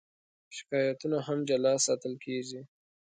شکایتونه هم جلا ساتل کېږي.